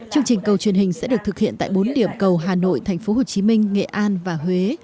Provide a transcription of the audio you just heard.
chương trình cầu truyền hình sẽ được thực hiện tại bốn điểm cầu hà nội tp hcm nghệ an và huế